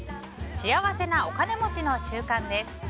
幸せなお金持ちの習慣です。